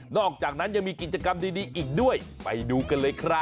อกจากนั้นยังมีกิจกรรมดีอีกด้วยไปดูกันเลยครับ